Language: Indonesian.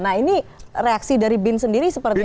nah ini reaksi dari bin sendiri seperti apa